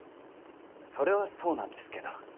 それはそうなんですけど。